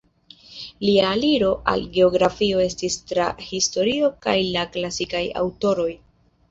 Lia aliro al geografio estis tra historio kaj la klasikaj aŭtoroj.